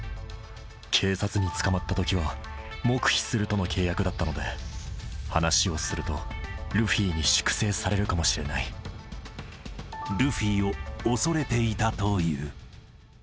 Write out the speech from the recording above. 警察に捕まったときは、黙秘するとの契約だったので、話をすると、ルフィを恐れていたという。